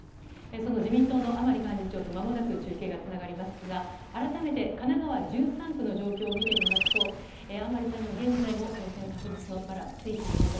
その自民党の甘利幹事長と、まもなく中継がつながりますが、改めて、神奈川１３区の状況を見てみますと、甘利さんは現在も当選確実のバラ、ついていません。